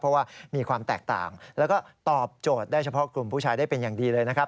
เพราะว่ามีความแตกต่างแล้วก็ตอบโจทย์ได้เฉพาะกลุ่มผู้ชายได้เป็นอย่างดีเลยนะครับ